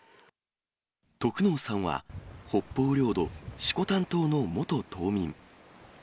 得能さんは北方領土・色丹島の元島民。